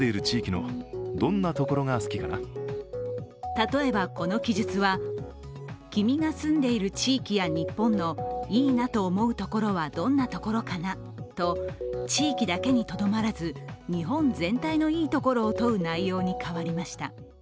例えば、この記述は君が住んでいる地域や日本の「いいな」と思うところはどんなところかなと、地域だけにとどまらず、日本全体のいいところを問う内容に変わりました。